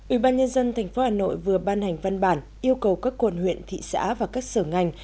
ủy ban nhân dân tp hà nội vừa ban hành văn bản yêu cầu các quần huyện thị xã và các sở ngành